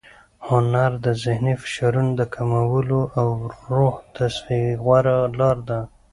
هنر د ذهني فشارونو د کمولو او د روح د تصفیې غوره لار ده.